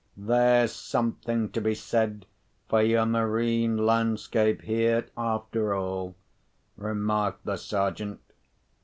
"There's something to be said for your marine landscape here, after all," remarked the Sergeant.